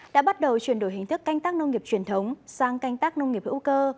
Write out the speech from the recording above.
đã bắt đầu chuyển đổi hình thức canh tác nông nghiệp truyền thống sang canh tác nông nghiệp hữu cơ